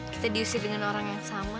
kita diisi dengan orang yang sama